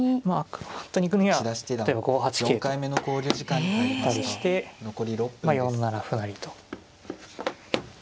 はい取り込みには例えば５八桂と打ったりして４七歩成と。